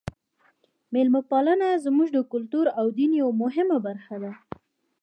میلمه پالنه زموږ د کلتور او دین یوه مهمه برخه ده.